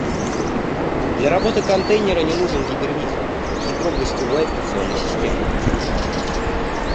Для работы контейнера не нужен гипервизор и ядро гостевой операционной системы